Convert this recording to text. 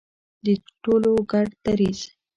د ټولو ګډ دریځ.